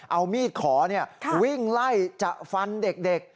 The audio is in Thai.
เอามีดขอวิ่งไล่จะฟันเด็ก